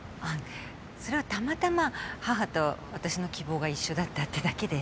それはたまたま母と私の希望が一緒だったってだけで。